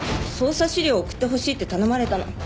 捜査資料を送ってほしいって頼まれたの。